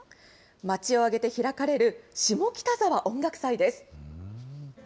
町を挙げて開かれる、下北沢音楽祭です。